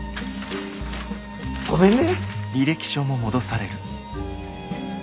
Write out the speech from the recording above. ごめんね！